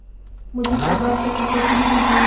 موزیک د باد په څپو کې ویریږي.